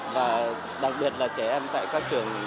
và đặc biệt là trẻ em tại các trường